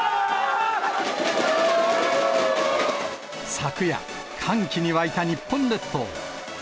昨夜、歓喜に沸いた日本列島。